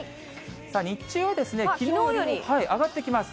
日中はきのうより上がってきます。